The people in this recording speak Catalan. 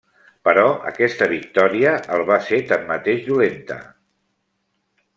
Però aquesta victòria el va ser tanmateix dolenta.